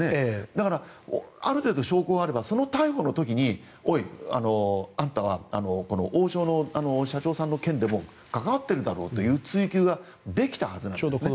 だから、ある程度証拠があればその逮捕の時におい、あんたは王将の社長さんの件でも関わっているだろうという追及ができたはずなんですね。